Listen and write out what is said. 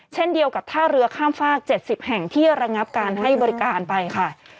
เช่นเดียวกับท่าระเอียกฐ่าเรือข้ามฝาก๗๐แห่งที่ฟังให้เบรการไปค่ะ